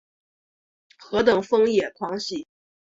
何等疯野狂喜？